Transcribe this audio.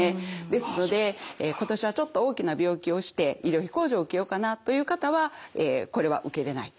ですので今年はちょっと大きな病気をして医療費控除を受けようかなという方はこれは受けれない。